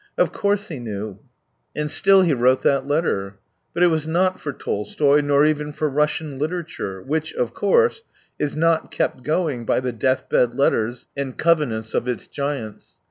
Of course he knew — and still he wrote that letter. But it was not for Tolstoy, nor even for Russian literature, which, of course, is not kept going by the death bed letters and covenants of its giants.